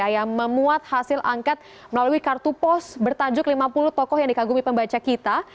yang memuat hasil angket melalui kartu pos bertajuk lima puluh tokoh yang dikagumi pembaca kita